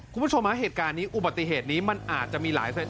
คุณผู้ชมฮะเหตุการณ์นี้อุบัติเหตุนี้มันอาจจะมีหลายเส้น